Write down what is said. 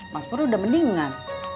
mas pur udah mendingan